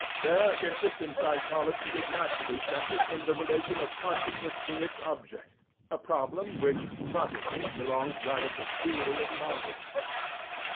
Their interest in psychology is naturally centred in the relation of consciousness to its object, a problem which, properly, belongs rather to theory of knowledge.